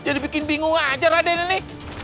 jadi bikin bingung aja raden ini